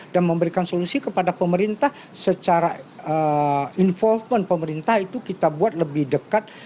dan memberikan solusi kepada pemerintah secara involvement pemerintah itu kita buat lebih dekat